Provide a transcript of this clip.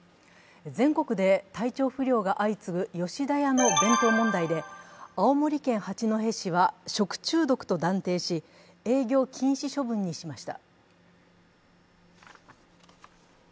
全国で体調不良が相次ぐ吉田屋の弁当問題で青森県八戸市は食中毒と断定し、営業禁止処分にしました。